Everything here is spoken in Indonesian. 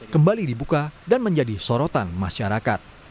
kembali dibuka dan menjadi sorotan masyarakat